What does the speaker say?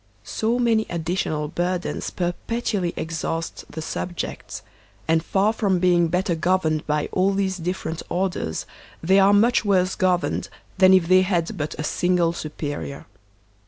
So many additional burdens perpetually exhaust the subjects; and far from being better governed by all these different or ders, they are much worse governed than if they had but a single superior.